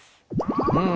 うん！